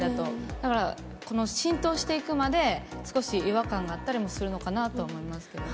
だからこの浸透していくまで、少し違和感があったりもするのかなとは思いますけど。